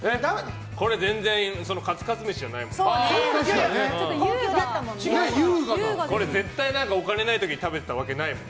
これ、全然カツカツ飯じゃないもん。